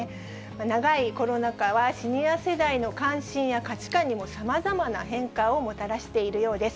長いコロナ禍はシニア世代の関心や価値観にもさまざまな変化をもたらしているようです。